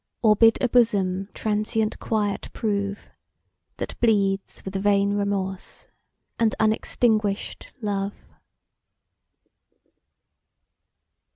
Or bid a bosom transient quiet prove, That bleeds with vain remorse and unextinguish'd love!